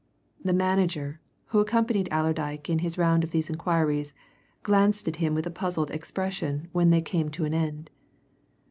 The manager, who accompanied Allerdyke in his round of these inquiries, glanced at him with a puzzled expression when they came to an end.